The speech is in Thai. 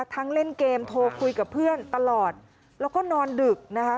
เล่นเกมโทรคุยกับเพื่อนตลอดแล้วก็นอนดึกนะคะ